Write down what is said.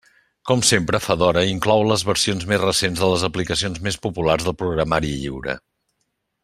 Com sempre, Fedora inclou les versions més recents de les aplicacions més populars del programari lliure.